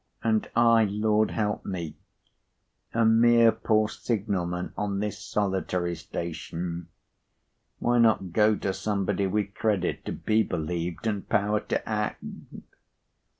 And I, Lord help me! A mere poor signal man on this solitary station! Why not go to somebody with credit to be believed, and power to act!"